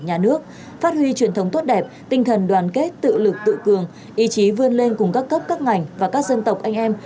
nhà nước phát huy truyền thống tốt đẹp tinh thần đoàn kết tự lực tự cường ý chí vươn lên cùng các cấp các ngành và các dân tộc anh em